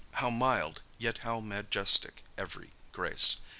How mild, yet how majestic every grace!